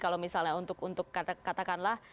kalau misalnya untuk katakanlah